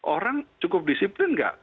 orang cukup disiplin nggak